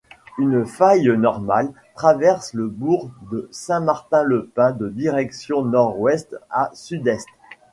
Une faille normale traverse le bourg de Saint-Martin-le-Pin de direction nord-ouest à sud-est.